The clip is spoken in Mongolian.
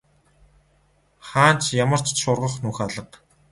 Хаана ч ямар ч шургах нүх алга.